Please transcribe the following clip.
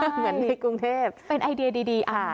เหมือนในกรุงเทพเป็นไอเดียดี